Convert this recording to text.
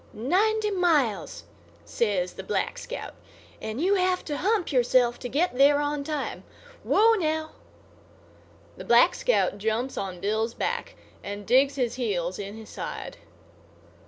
"Ninety miles," says the Black Scout. "And you have to hump yourself to get there on time. Whoa, now!" The Black Scout jumps on Bill's back and digs his heels in his side.